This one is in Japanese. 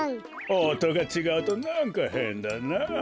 おとがちがうとなんかへんだなあ。